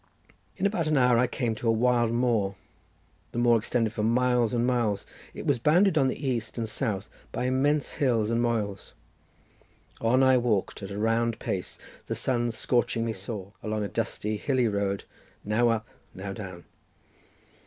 In about an hour I came to a wild moor; the moor extended for miles and miles. It was bounded on the east and south by immense hills and moels. On I walked at a round pace, the sun scorching me sore, along a dusty, hilly road, now up, now down.